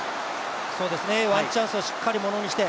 ワンチャンスをしっかりものにして。